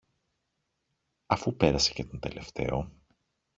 Αφού πέρασε και τον τελευταίο